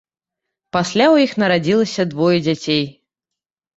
Пасля ў іх нарадзілася двое дзяцей.